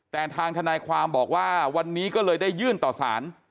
แต่ทางทนายความบอกว่าวันนี้ก็เลยได้ยื่นต่อสาร